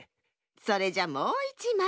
それじゃもういちまい。